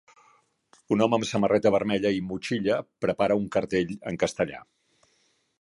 Un home amb samarreta vermella i motxilla prepara un cartell en castellà.